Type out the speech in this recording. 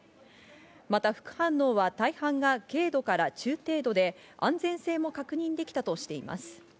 また副反応は大半が軽度から中程度で、安全性も確認できたとしています。